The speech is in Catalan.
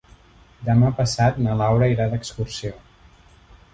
Demà passat na Laura irà d'excursió.